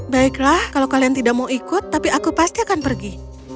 baiklah kalau kalian tidak mau ikut tapi aku pasti akan pergi